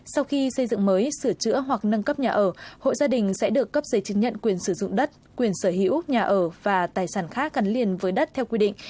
sau khi xây dựng mới sửa chữa hoặc nâng cấp nhà ở hộ gia đình sẽ được cấp giấy chứng nhận quyền sử dụng đất quyền sở hữu nhà ở và tài sản khác gắn liền với đất theo quy định